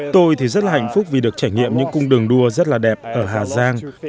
tôi thì rất là hạnh phúc vì được trải nghiệm những cung đường đua rất là đẹp ở hà giang